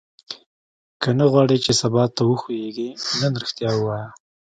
که نه غواړې چې سبا ته وښوېږې نن ریښتیا ووایه.